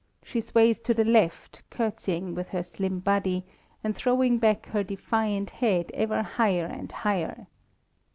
She sways to the left, curtseying with her slim body, and throwing back her defiant head ever higher and higher.